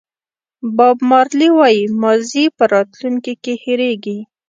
باب مارلې وایي ماضي په راتلونکي کې هېرېږي.